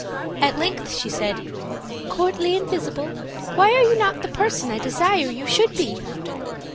At length she said: "Courtly invisible, why are you not the person I desire you should be?"